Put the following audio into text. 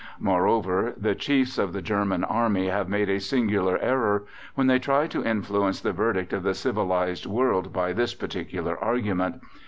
Moreover, the chiefs of the German Army have made a singular error when they try to influence the verdict of the civilized world by this particular argument.